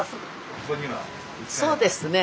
そうですね。